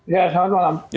ya selamat malam